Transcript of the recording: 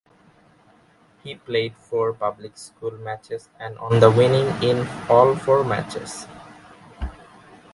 He played four Public Schools matches and on the winning in all four matches.